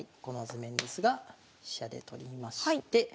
この図面ですが飛車で取りまして。